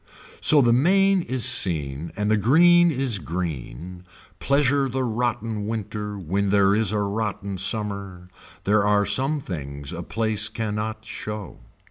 So the main is seen and the green is green. Pleasure the rotten winter when there is a rotten summer. There are some things a place can not show.